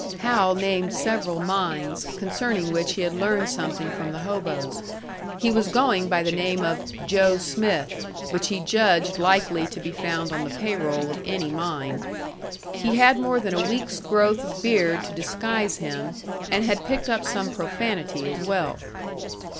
Hal named several mines, concerning which he had learned something from the hoboes. He was going by the name of "Joe Smith," which he judged likely to be found on the payroll of any mine. He had more than a week's growth of beard to disguise him, and had picked up some profanity as well.